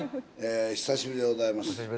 久しぶりでございます。